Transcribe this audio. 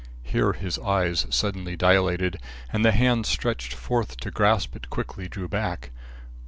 Here his eyes suddenly dilated and the hand stretched forth to grasp it quickly drew back.